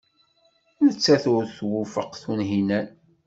Nettat ur twufeq Tunhinan.